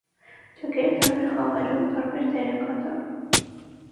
Ջոկերը տարբեր խաղերում, տարբեր դեր է կատարում։